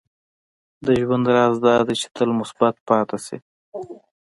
• د ژوند راز دا دی چې تل مثبت پاتې شې.